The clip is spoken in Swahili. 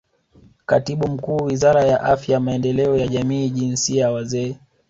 Katibu Mkuu Wizara ya Afya Maendeleo ya Jamii Jinsia Wazee